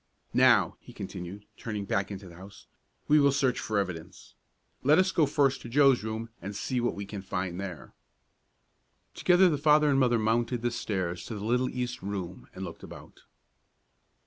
"Now," he continued, turning back into the house, "we will search for evidence. Let us go first to Joe's room and see what we can find there." Together the father and mother mounted the stairs to the little east room, and looked about.